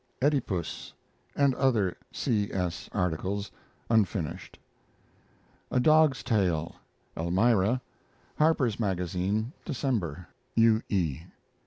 EDDYPUS, and other C. S. articles (unfinished). A DOG'S TALE (Elmira) Harper's Magazine, December. U. E.